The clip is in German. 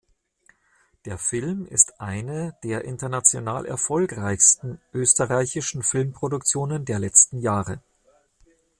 Der Film ist eine der international erfolgreichsten österreichischen Filmproduktionen der letzten Jahre.